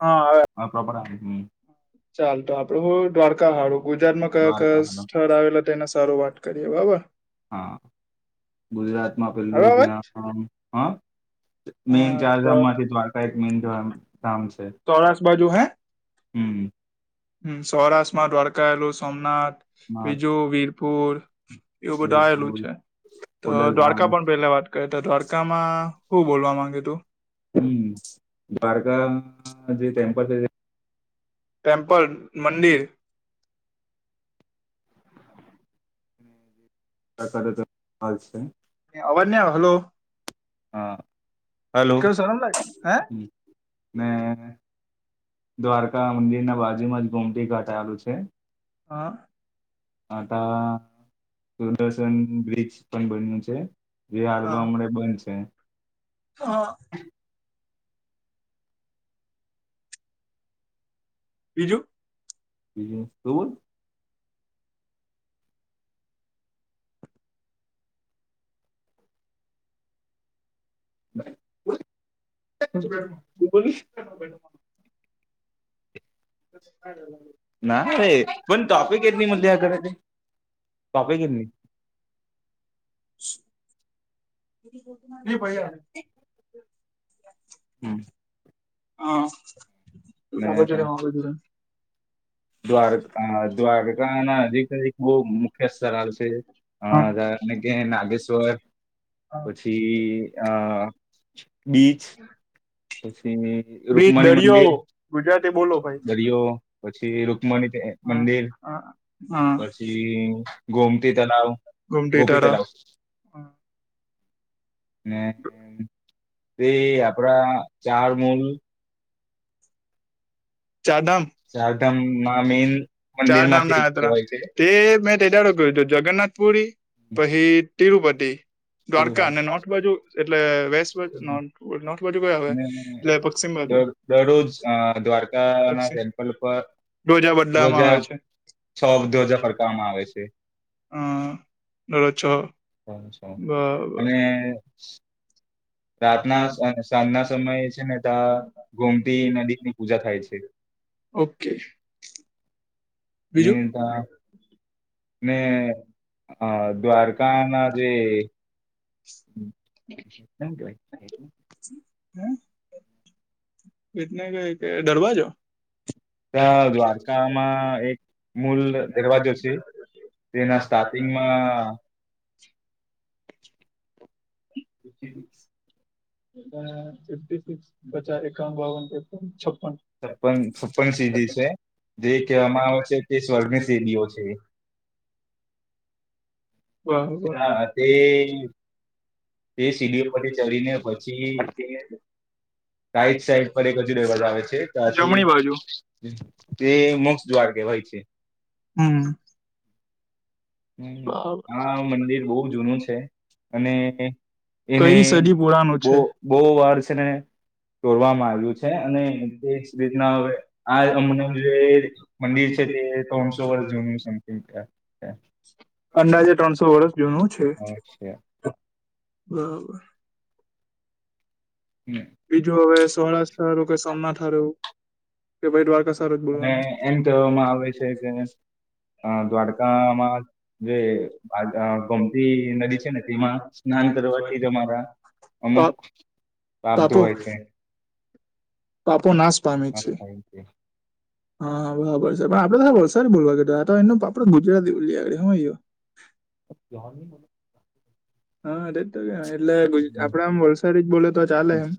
હા, હવે પ્રોપર આમની - ચાલ તો આપણું દ્વારકા હારું ગુજરાતમાં કયા દ્વારકા કયા મતલબ સ્થળ આવેલા તેના સારું વાત કરીએ બરાબર. હા, ગુજરાતમાં હવે પેલું અવાજ ત્યાં પણ, હા. મેન હા તો ચારધામ માંથી દ્વારકા એક મેન ધામ છે. સૌરાષ્ટ્ર બાજુ હૈ. હમ્મ. હા સૌરાષ્ટ્રમાં દ્વારકાલું સોમનાથ બીજું વીરપુર એવું બધું આવેલું માથેરાન, છે તો ખોડલધામ દ્વારકા પણ પહેલા વાત કે દ્વારકામાં શું બોલવા માંગ્યું તું હમ્મ દ્વારકા જે ટેમ્પલ છે. ટેમ્પલ મંદિર દ્વારકા જતા હાલ છે. અવાજ નહીં આવતો હલો. હા હલો કેવું શરમ લાગે હે હ મે. દ્વારકા મંદિરના બાજુમાં જ ગુમટી ઘાટ આવેલું છે. હા. પાસા સુદર્શન બ્રિજ પણ બન્યું છે. જે હા હારવા હમણાં બંધ છે. હા. બીજું બીજું બો [unintelligible] [unintelligible] પણ ટોપિક કેરની મુદ્દે યા કરે છે પાપે કેરની [unintelligible] [unintelligible] [unintelligible] હમ્મ. હા ને [unintelligible] જો દ્વારકાના નજીક નજીક બઉ મુખ્ય સ્થળો આવેલા છે. હા ના કે નાગેશ્વર પછી આ બીચ પછી બ્રિજ રુકમણી દરિયો મંદિર, ગુજરાતી બોલો ભાઈ દરિયો પછી રુકમણીબેન મંદિર ગુમટી પછી ગોમતી તલાવ ગોપી તરફ તલાવ ને તે આપડા ચાર મુનિ ચાર ધામ ચારધામમાં મેન [unintelligible] મંદિર ચારધામ માંથી ના એક યાત્રા કહેવાય છે. તે મે તે દાળ જોયું તું જગન્નાથ પુરી પછી તિરુપતિ દ્વારકા અને નોર્થ બાજુ એટલે વેસ્ટ બા નોર્થ બાજુ કઈ આવે એટલે પશ્ચિમ બાજુ દર દરરોજ દ્વારકાના પર ધ્વજા બદલામાં રોજા આવે છે સ રોજા ફરકવામાં આવે છે. હા કરો છો. અને રાતના સાંજના સમયે છે ને ત્યાં ગોમતી નદીકની પૂજા થાય છે. ઓકે. ને બીજું ત્યાં ને અ દ્વારકા ના જે [unintelligible] થેંકયુ ભાઈ [unintelligible] હ એટને કઈ કે દરવાજો ત્યાં દ્વારકામાં એક મૂલ દરવાજો છે. તેના સ્ટાર્ટિંગમાં. [inaudible] અ ફિફ્ટી સિક્સ પચાસ એકાવન બાવન તેપન છપ્પન. છપ્પન છપ્પન સીડી છે જે કહેવામાં આવે છે કે સ્વર્ગની સીડીઓ છે. બરાબર હા તે. તે સીડીઓ પરથી ચઢીને પછી. રાઈટ સાઈડ પર એક હજુ દરવાજો આવે છે જમણી બાજુ પછી. તે મોક્ષ દ્વાર કહેવાય છે. હમ. હમ બરાબર આ મંદિર બહુ જૂનું છે અને. એને કઈ સદી પુરાનું બો છે બહુ વાર છે ને. તોડવામાં આવ્યું છે અને તે જ રીતના હવે આ અમને જે. મંદિર છે તે ત્રણસો વર્ષ જૂનું છે એમ કે. અંદાજે ત્રણસો વર્ષ જૂનું છે બરાબર. હમ. બીજું હવે સૌરાષ્ટ્ર હારુ કે સોમનાથ હારુ. કે ભાઈ દ્વારકા સારું અને બોલવાના. એમ કહેવામાં આવે છે કે અ દ્વારકામાં જે ગોમતી નદી છે ને તેમાં. સ્નાન કરવાથી જ અમારા અમુક. પા- પાપ પાપો ધોવાય છે. પાપો નાશ પામે આ છે. થાય હા બરાબર છે પણ આપડે સા બોલવા કે તો એનું આપડે ગુજરાતી બોલી હયો. [inaudible] હા રજ તો કે એટલે આપડા આમ વલસાડી જ બોલે તો ચાલે એમ.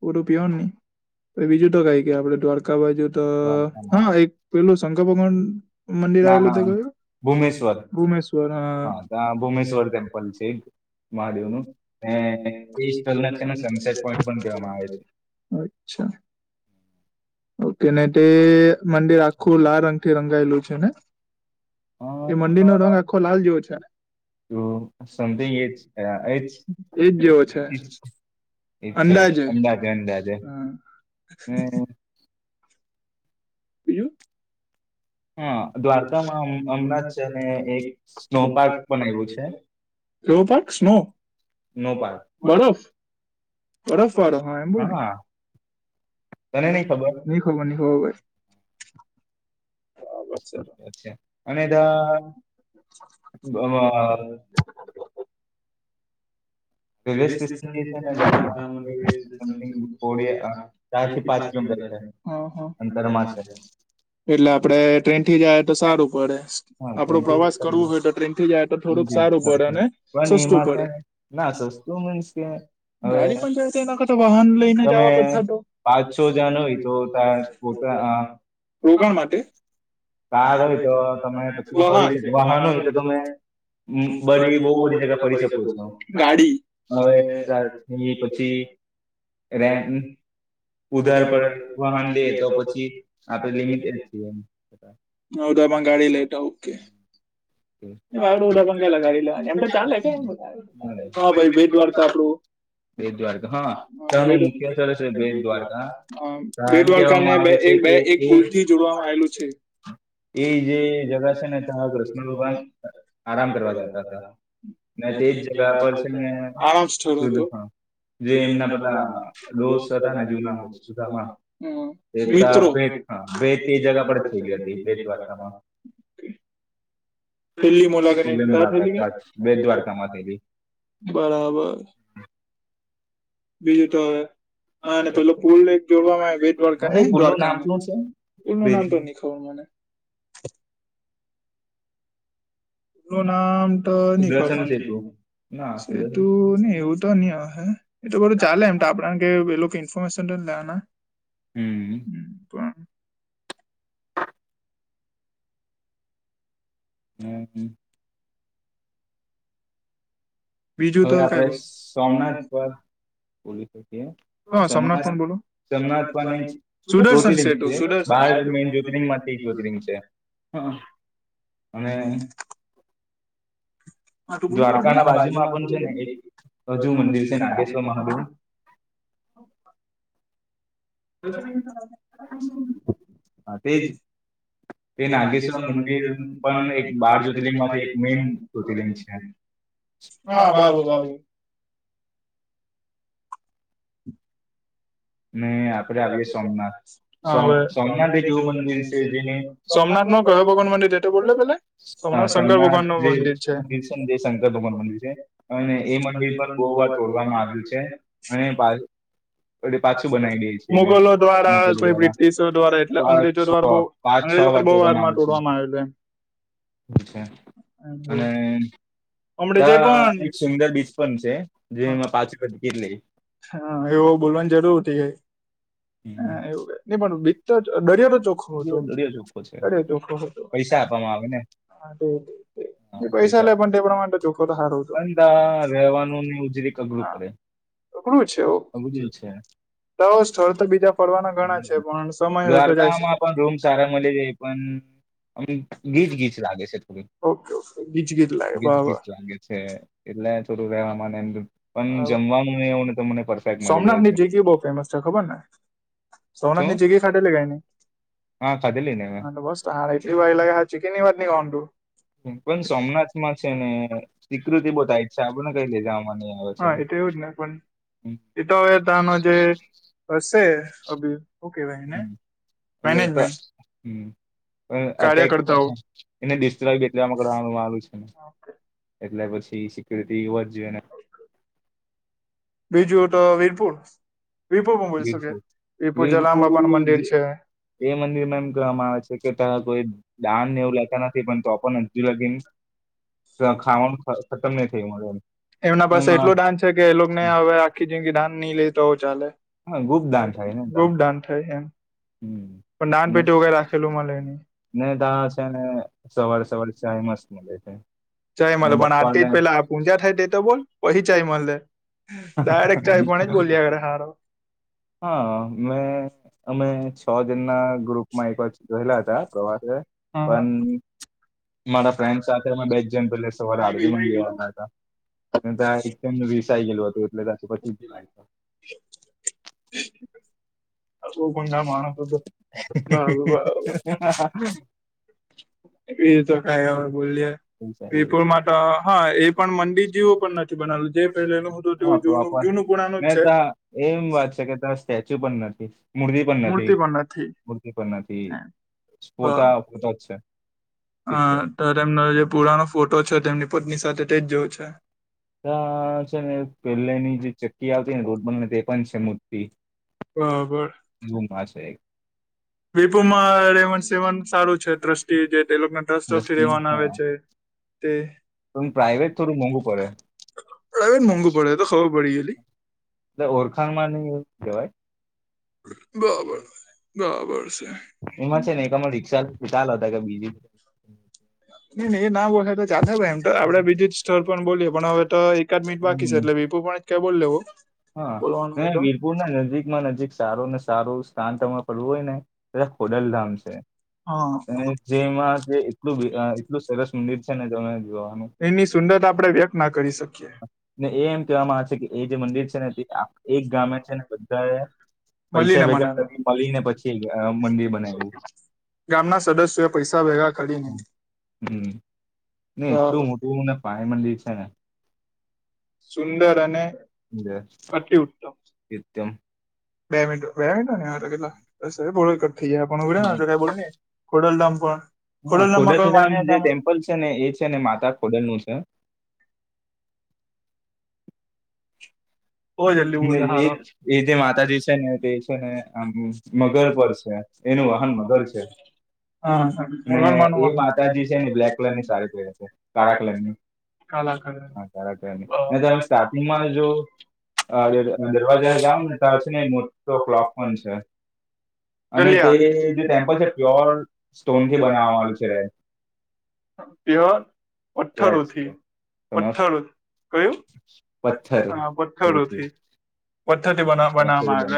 પરું પ્યોર નહી બીજું તો કઈ કે આપડે દ્વારકા બાજુ તો હા દ્વારકામાં. એક. પેલું શંકર ભગવાન મંદિર ના આવેલું તે ના ક્યું. ભૂમેશ્વર ભૂશ્વર ભૂમેશ્વર હા ત્યાં ભૂમેશ્વર ભૂ્વર. ટેમ્પલ છે એક મહાદેવનું છે ને એજ સ્થળ ને છેને સનસેટ પોઈન્ટ પણ કહેવામાં આવે છે. અચ્છા ઓકે નટ. તે મંદિર આખું લાલ રંગથી રંગાયેલું છે ને. અ, એ મંદિરનો રંગ આખો લાલ જેવો છે. હ શમ્થિંગ એજ ખરા એજ. એ જ જેવો છે હમ્મ અંદાજે અંદાજે હા. હમ. બીજું. હ હા દ્વારકામાં દ્વારધમાં હમ- હમણાં હમના જ છે ને એક સ્નો પાર્ક ગોપક આવ્યું પણ એ છે. રોપક સ્નો સ્નો પાર્ક બરફ. બરફવાડો હા એમ બોલને. તને નઈ ખબર નિ ખબર નિ ખબર ભાઈ. બરાબર સર છે. અને એ તો. [inaudible] રેલવે સ્ટેશન જે છે ને દ્વારકા મકોળ થી સમથિંગ ફોર પાંચ કિલોમીટર છે.? હ હ અંદર અંતરમાં છે એટલે આપડે ટ્રેનથી જાય તો સારું પડે. હા તો આપડો એનાથી પ્રવાસ વિચાર- કરવો હોય તો ટ્રેનથી જાય તો થોડુંક જી, સારું પડે અને પણ સસ્તું એમાં છે પડે. ને ના સસ્તું મીન્સ કે હવે ગાડી પણ જાય છે એના તો વાહન લઈને તમે જવા કરતા તો. પાંચ સો જણ હોય તો તા પોતા આ. રોકાણ માટે. કાર હોય તો ત ને પછી ફરી વાહન. શકો. વાહનો હોય તો તમે હમ્મ બરી બહુ બધી જગા ફરી શકો છો. ગાડી હવે [unintelligible] પછી રેન ઉધાર પર વાહન લેય તો પછી આપડે લિમિટેડ છીએ બધા. હ તોમાં ગાડી લેટા ઓકે. ભાડુ પણ ક લગાડી લેવા એમ તો ચાલે ભાઈ ભેટ્વાડ કાપડું. બેટ દ્વારકા હા [unintelligible] મુકેલ ત્યાંનું ત મુખ્ય કે સ્થળ જય છે બેટ દ્વા દ્વારકા. હ બે ત્યાં એમ દ્વારકાને કહેવામાં બે આવે છે એક બે કે એક એ પુલ થી જોડવામાં આયેલું છે. એ જે જગા છે ને તા અગ્રસ્ત કૃષ્ણ ભગવાન આરામ કરવા જતા હતા ને જે જગા પર છે ને સુધ જે એમના બધા દોસ્ત ક્લોઝ હતા ને જૂના સુદામા દેવતા ભેટ હા [unintelligible] ભેજ એક જગા ભેટ એ થઈ ગયા પર જ થયેલી હતા હતી બેડ બેટ દ્વારકા દ્વારકામાં માં. થેલી મલા કરે છેલ્લી ત્યાં થેલી મુલાકાત નહીં આ બેટ દ્વારકામાં થયેલી બરાબર. બીજું તો હવે આને પેલો પુલ જોડવામાં આવે બેટ દ્વારકા હા એ નેઈ પુલ નું દ્વારકા. નામ શું છે એમનુ નામ તો ભેજનું નઈ ખબર મને. પો નામ તો ની સુદર્શન પસંદ સેતુ ના સુદર્શન તું એવું તો ની અહે એ બરુ ચાલે એમ. આપણા કે પેલો ઇનફરમેશન ત લેવાના હમ હમ્મ પણ હમ્મ હમ્મ. બીજું હવે તો કઈ આપડે બોલ. સોમનાથ પર બોલી શકીએ. હ સોમનાથ સોમનાથન પર બોલો. સોમનાથ પણ એક સુદર્શન જ્યોતિલિંગ સેતુ છે સુદર્શન બહાર સેતુ મેન જ્યોતિરિંગ માટી એક જ્યોતિરિંગ છે. હા. અને હા ત બોલની દ્વારકાના આપના બાજુમાં રાજમા પણ છે ને એક કરી અજુ મંદિર છે નાગેશ્વર મહાદેવ. હા તેજ તે નાગેશ્વર મંદિર પણ એક બાર જ્યોતિર્લિંગ માંથી એક મેન જ્યોતિર્લિંગ છે. હ હા બાલ બાબુ ગેવા દે. બાબુ ને આપડે આવીએ સોમનાથ હા સોમ હવે સોમનાથ એક એવું મંદિર છે જેને સોમનાથ સોમનાથનુ [inaudible] નો કયો ભગવાન મંદિર એ તો બોલો પેલા હ શંકર સોમનાથ ભગવાન નું જે મંદિર છે દીસંદેશ શંકર ભગવાન નું મંદિર છે અને એ મંદિર પણ બહુ વાર તોડવામાં આવ્યું છે અને પા એટલે પાછું પા બનાવી દે છે એને મુગલો દ્વારા મુગલ કોઈ દ્વારા બ્રિટિશો દ્વારા એટલે પાંચ છ અંગ્રેજો દ્વારા બઉ પાંચ છ અંગ્રેજ લોકો બહુ વાર માં તોડવામાં આવેલુ એમ. અછા અને હમણે તો જે પણ એક સુંદર બીચ પણ છે જેમાં પાચ રૂપા ટીકીટ લેઈ. હા એવો બોલવાની જરૂર હતી ગઈ. હ એવુંક નહી પણ બીતો દરિયા તો ચોખો હતો. દરિયો ચોખ્ખો હતો. પૈસા આપવામાં આવે ને? હા તે ની પૈસા લે પણ તે પ્રમાણે તો ચોખો તો હારું તો. પણ તા રહેવાનું ને ઉજરીક અઘરું પડે અકડું છે ઓ અઘરું છે તો સ્થળ તો બીજા ફરવાના ઘણા છે પણ સમય વતો જાય છે. દ્વારકામાં પણ રૂમ સારા મળી જાય પણ અમ ગીચ ગીચ લાગે છે થોડી. ઓકે ઓકે ગીજ ગીજ લાયા ગીચ ગીચ બાપા લાગે છે. એટલે થોડું રહેવા ને એમ પણ જમવાનું એવું ને તો મને પરફેક્ટ મળી જાય છે. તન ખબરને શું સોનાથની જગ્યા કઈ નહી હા ખાધેલી ને મેં અને બસ તો એટલી વાય લાય હાચુ કે ની વાત ની કોણ તું? પણ સોમનાથ માં છે ને સ્વીકૃતિ બતાઈ છે આપડને કઈ લઈ જવામાં નહી આવે. હ છે એ હમ્મ. તો એવું જ ને પણ એતો હવે તાનો જે હશે અભી હું કેવાય એને હવે એ તો હ મેનેજમેન્ટ પણ અત કાર્યકર્તાઓ એને ડિસ રમકડાનું વાળુ [inaudible] એટલે પછી સિકયુરિટી હોવો જોઈએ ને એક બીજું તો વીરપુર વીરપુર પણ બની શકે વીરપુર વીરપુર એ પણ જલારામ બાપાનું મંદિર જ- છે. એ મંદિરમાં એમ કહેવામાં આવે છે કે તા કોઈ દાનને એવું લેતા નથી પણ હજુ લગી નહી થયું મળે એમ એમના પાસે એમાં એટલું દાન છે કે એને હવે આખી જેમ કે દાન નહી લે તો ચાલે હા ગુપદાન ગુપ ધાન થાય એમ હમ્મ. પણ દાનપેટી વગેર રાખેલું મલે ને તા શે ને સવારે સવારે ચાય મસ્ત મલે છે. ચાય મળે પણ આરતી જ પેલા પૂંજા થાય તે તો બોલ પછી ચાય મળે ડાયરેક્ટ ચાય પણ જ બોલ્યા કરે [unintelligible] [unintelligible] હારો હ મેં અમે સો જનના ગ્રુપમાં એક વાર ગયેલા હતા, પ્રવાસે હા પણ મારા ફ્રેન્ડ સાથે અમે બે જ જણ પેલે સવારે આરતીમાં ગીયા હતા. તો એક જન રિસાઈ ગેલું હતું એટલે પછી [unintelligible] હજુ પણ ના માણસો તો બરાબર [unintelligible] એ તો કઈ હવે બોલ ઈએ રિસાઈ જાય છે. વીરપુરમાં તા હા એ પણ મંંદિર જેવું પણ નથી બનાવેલું પહેલા નું હતું હા જૂનું પ્રોપર જૂનું પુણાનું જ ને છે. ત્યાં એમ વાત છે કે તા સ્ટેચ્યુ પણ નથી. મૂર્તિ પણ નથી મૂર્તિ પણ નથી મૂર્તિ પણ નથી સ્પોતા પોતા જ છે. હ ચિત્ર જ. ધરમનો તેમનો જે પુરાનો ફોટો છે તેમની પત્ની સાથે તે જ જોયો છે. હ છે ને પેલેની જે ચક્કી આવતી ને રોડ બને તે પણ છે મૂર્તિ હ બરા એવું ના છે. વિપુમાં રેવાન સેવન સારું છે ટ્રસ્ટી જે તેને ટ્રસ્ટ તરફથી રસ્તી- રેવાનું આવે હા. છે. તે પણ પ્રાઇવેટ થોડું મોંઘું પડે મોંઘુ પડે તે તો ખબર પડી જયલી એ ઓળખાણ માં ને એવુ કેવાય બરાબર બરાબર છે. એમાં છે ને એકમા રિક્ષા ચાલ હતા કે બીજી એ ના એ ના હો તો ચાલે ભાઈ એમ તો આપડે બીજું જ સ્થળ પણ બોલીએ પણ હવે તો એકાદ મિનિટ બાકી છે હમ એટલે વિપુ પણ જ કઈ બોલ લેવું હા ને વીરપુરના નજીકમાં નજીક સારું ને સારું સ્થાન તમારે પડવું હોય ને તે ખોડલધામ છે, હા જેમાં જેટલું અહ એટલું સરસ મંદિર છે તમ જોવાનું એની સુંદરતા આપણે વ્યક્ત ના કરી શકીએ ને એ એમ કેવામાં આવે છે કે એ જે મંદિર છે ને તે આ એક ગામે છે ને બધાએ પૈસા મળીને ભેગા મનાવે કરિને મલીને પછી અહ મંદિર બનાઈયુ. ગામના સદસ્યોએ પૈસા ભેગા કરી ને હમ્મ ને એટલું મોટુંને પાય મંદિર છે ને સુંદર અને જે અતિ ઉત્તમ ઈ તે બે મિનટો બે મિનિટ ને હા તો કેટલા આ સબ બહુ કટ થાય હે [unintelligible] ખોડલ ધામ પણ હા ખોડલ ધામમાં કોય ખોડલધામ જે માન્યતા ટેમ્પલ છે ને એ છે ને માતા ખોડલ નું છે. બહુ જલ્દી એ બોલે જે હારો એ જે માતાજી છે ને તે છે ને આમ મગર પર છે. એનું વાહન મગર છે. હા ને એ ભગવાનમાંનું માતાજી છે ને બ્લેક કલર ની સારી પેરે છે કાળા કલરની. સાડી કાલા કલર હા કાળા કલરની ને તમે સ્ટાર્ટિંગમાં જો સાર સાર દરવાજા હે જાઉ ને ચારને મોટો બ્લોક પણ છે. ધુલિયા જે ટેમ્પલ છે પ્યોર સોનથી બનાવવામાં આવે છે. પ્યોર રેડ પત્થરોથી સ્ટોન પથરો કયું પત્થર પથ્થર હા થી. પથ્થરોથી. પત્થરથી બના બનાવામાં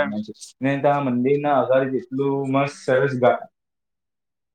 ને ત્યાં આવેલું મંદિરના અગાડી જેટલું મસ્ત સરસ ગા એમ.